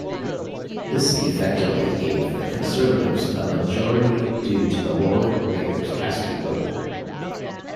This effectively gave the Conservatives a majority due to the Lord Mayor's casting vote.